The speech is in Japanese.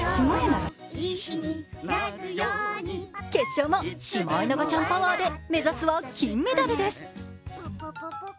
決勝もシマエナガちゃんパワーで目指すは金メダルです。